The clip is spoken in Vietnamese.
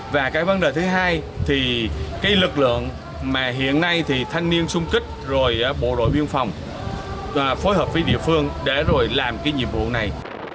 và cái vấn đề thứ hai thì cái lực lượng mà hiện nay thì thanh niên sung kích rồi bộ đội biên phòng phối hợp với địa phương để rồi làm cái nhiệm vụ này